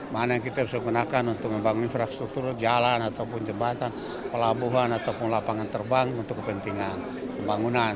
mana yang kita bisa gunakan untuk membangun infrastruktur jalan ataupun jembatan pelabuhan ataupun lapangan terbang untuk kepentingan pembangunan